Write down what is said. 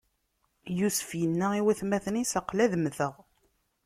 Yusef inna i watmaten-is: Aql-i ad mmteɣ!